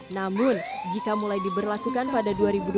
namun jika mulai diberlakukan pada dua ribu dua puluh